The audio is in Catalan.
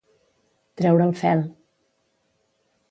Treure el fel.